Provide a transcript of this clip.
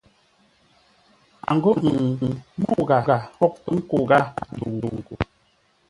A ghô ə̂ŋ môu ghâa fwôghʼ pə̌ nkô ghâa ndəu ghô.